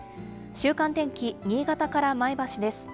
週間天気、新潟から前橋です。